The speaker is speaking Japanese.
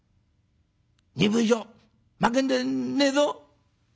２分以上まけるでねえぞ」。